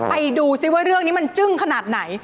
ไปดูซิว่าเรื่องนี้มันจึ้งขนาดไหน